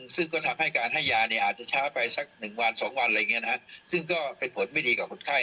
ซึ่งก็ทำให้การให้ยาช้าไปสัก๑๒วันเป็นผลไม่ดีกับคนไข้